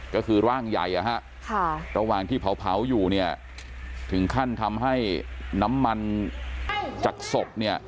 ก็คือร่างใหญ่ตระวังที่เผาอยู่ถึงขั้นทำให้น้ำมันจากศพ